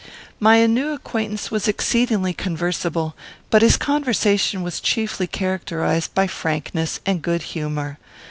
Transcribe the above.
My new acquaintance was exceedingly conversible, but his conversation was chiefly characterized by frankness and good humour.